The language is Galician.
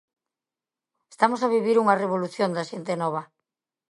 Estamos a vivir unha revolución da xente nova.